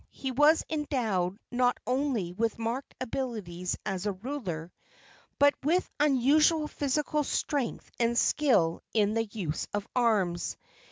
He was endowed not only with marked abilities as a ruler, but with unusual physical strength and skill in the use of arms.